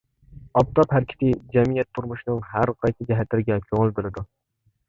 «ئاپتاپ ھەرىكىتى» جەمئىيەت تۇرمۇشىنىڭ ھەرقايسى جەھەتلىرىگە كۆڭۈل بۆلىدۇ.